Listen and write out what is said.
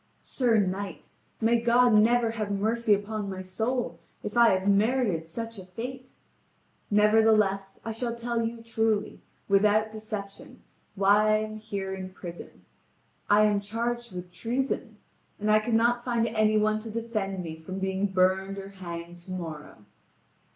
"Sir knight, may God never have mercy upon my soul, if I have merited such a fate! Nevertheless, I shall tell you truly, without deception, why I am here in prison: I am charged with treason, and I cannot find any one to defend me from being burned or hanged to morrow."